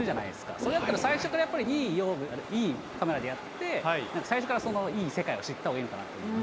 それだったら最初からやっぱりいい用具、いいカメラでやって、なんか最初からそのいい世界を知ったほうがいいのかなと思いまし